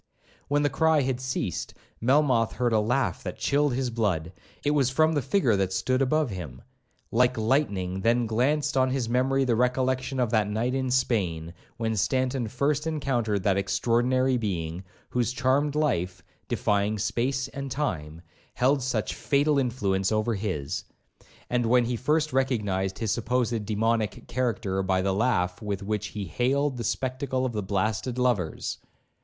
When the cry had ceased, Melmoth heard a laugh that chilled his blood. It was from the figure that stood above him. Like lightning then glanced on his memory the recollection of that night in Spain, when Stanton first encountered that extraordinary being, whose charmed life, 'defying space and time,' held such fatal influence over his, and when he first recognised his supposed demoniac character by the laugh with which he hailed the spectacle of the blasted lovers.